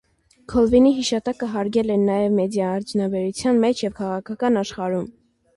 Քոլվինի հիշատակը հարգել են նաև մեդիաարդյունաբերության մեջ և քաղաքական աշխարհում։